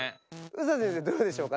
ＳＡ先生どうでしょうか？